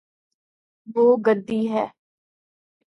وہ گدی ہے